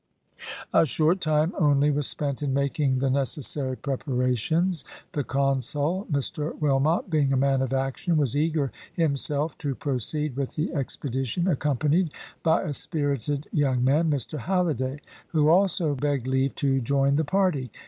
A short time only was spent in making the necessary preparations, the consul, Mr Wilmot, being a man of action, was eager himself to proceed with the expedition, accompanied by a spirited young man, Mr Halliday, who also begged leave to join the party.